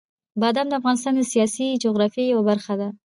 بادام د افغانستان د سیاسي جغرافیې یوه برخه ده.